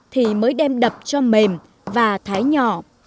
thì mới đem đập cho mềm và thái nhỏ